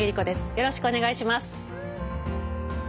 よろしくお願いします。